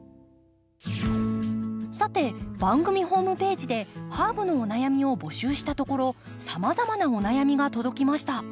さて番組ホームページでハーブのお悩みを募集したところさまざまなお悩みが届きました。